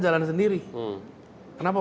jalan sendiri kenapa